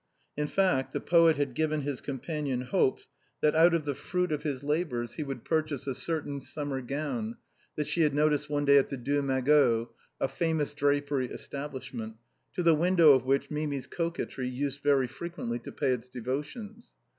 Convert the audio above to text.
In fact, the poet had given his com panion hopes that out of the fruit of his labors he would purchase a certain summer gown, that she had noticed one day at the " Deux Magots," a famous drapery establish ment, to the window of which Mimi's coquetry used very frequently to pay its devotions.